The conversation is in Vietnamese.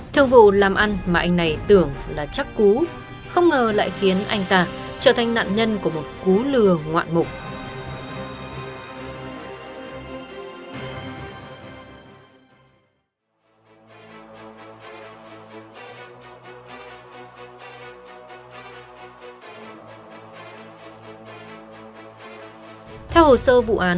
thương vụ làm ăn mà anh này tưởng là chắc cú không ngờ lại khiến anh ta trở thành nạn nhân của một cú lừa ngoạn mộ